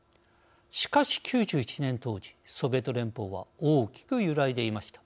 しかし、９１年当時ソビエト連邦は大きく揺らいでいました。